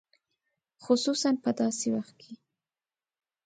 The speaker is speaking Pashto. خصوصاً په داسې وخت کې.